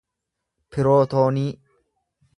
pirootoonii